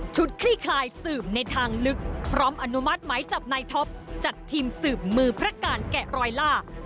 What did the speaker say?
คลี่คลายสืบในทางลึกพร้อมอนุมัติหมายจับนายท็อปจัดทีมสืบมือพระการแกะรอยล่า